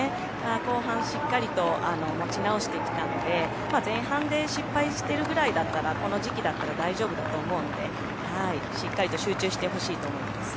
後半しっかりと持ち直してきたので前半で失敗してるぐらいだったらこの時期だったら大丈夫だと思うのでしっかりと集中してほしいと思います。